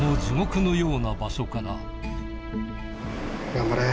頑張れ！